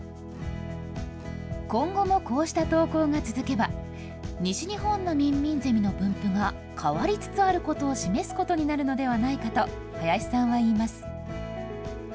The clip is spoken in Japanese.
今後もこうした投稿が続けば、西日本のミンミンゼミの分布が変わりつつあることを示すことになるのではないかと、林さんはいいます。